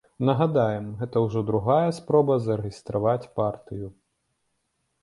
Нагадаем, гэта ўжо другая спроба зарэгістраваць партыю.